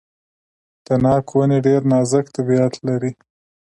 د ناک ونې ډیر نازک طبیعت لري.